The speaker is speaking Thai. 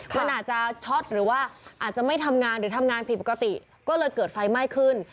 มันอาจจะช็อตหรือว่าอาจจะไม่ทำงานหรือทำงานผิดปกติก็เลยเกิดไฟไหม้ขึ้น